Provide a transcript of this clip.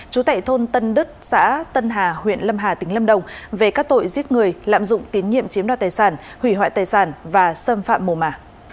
chú tệ thôn tân đức xã tân hà huyện lâm hà tỉnh lâm đồng về các tội giết người lạm dụng tín nhiệm chiếm đoạt tài sản hủy hoại tài sản và xâm phạm mồ mả